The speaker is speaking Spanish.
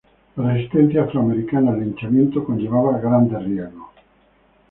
La resistencia afroamericana al linchamiento conllevaba grandes riesgos.